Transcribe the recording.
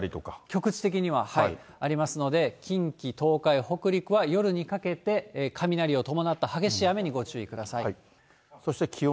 局地的にはありますので、近畿、東海、北陸は夜にかけて雷を伴った激しい雨にご注意ください。